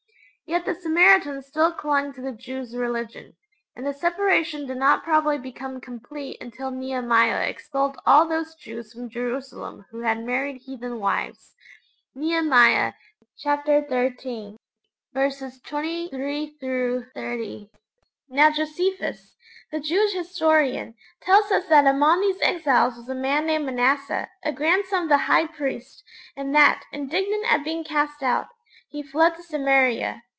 Yet the Samaritans still clung to the Jews' religion, and the separation did not probably become complete until Nehemiah expelled all those Jews from Jerusalem who had married heathen wives. (Nehemiah xiii. 23 30.) Now Josephus, the Jewish historian, tells us that among these exiles was a man named Manasseh, a grandson of the high priest, and that, indignant at being cast out, he fled to Samaria.